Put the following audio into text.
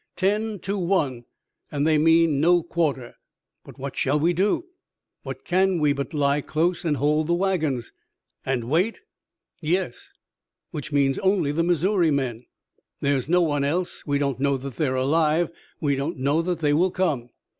Ten to one, and they mean no quarter." "But what shall we do?" "What can we but lie close and hold the wagons?" "And wait?" "Yes." "Which means only the Missouri men!" "There's no one else. We don't know that they're alive. We don't know that they will come."